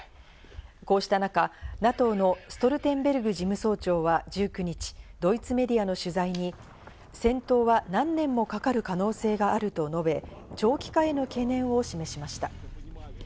こうした中、ＮＡＴＯのストルテンベルグ事務総長は１９日、ドイツメディアの取材に戦闘は何年もかかる可能性があると述べ、長期化への懸念を示しました。